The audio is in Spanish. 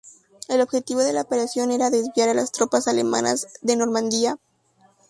El objetivo de la operación era desviar a las tropas alemanas de Normandía.